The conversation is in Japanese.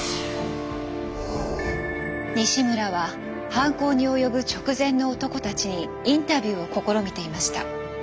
西村は犯行に及ぶ直前の男たちにインタビューを試みていました。